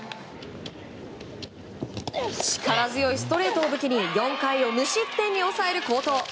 力強いストレートを武器に４回を無失点に抑える好投。